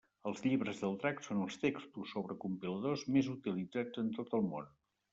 Els llibres del drac són els textos sobre compiladors més utilitzats en tot el món.